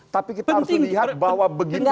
tapi kita harus melihat bahwa begitu banyak